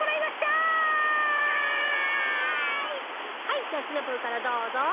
はいじゃあシナプーからどうぞ。